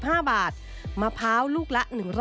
เป็นอย่างไรนั้นติดตามจากรายงานของคุณอัญชาฬีฟรีมั่วครับ